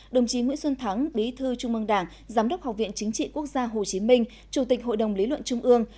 đồng chí nguyễn xuân thắng bí thư trung mương đảng giám đốc học viện chính trị quốc gia hồ chí minh chủ tịch hội đồng lý luận trung ương